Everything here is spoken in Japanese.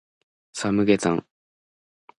サムゲタン